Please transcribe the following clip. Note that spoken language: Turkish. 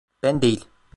Ben değil.